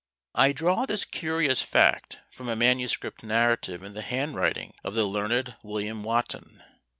I draw this curious fact from a manuscript narrative in the handwriting of the learned William Wotton.